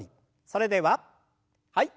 それでははい。